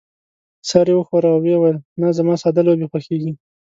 سر يې وښوراوه او وې ویل: نه، زما ساده لوبې خوښېږي.